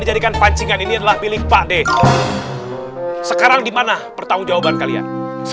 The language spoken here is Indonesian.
dijadikan pancingan ini adalah pilih pak deh sekarang dimana pertanggungjawaban kalian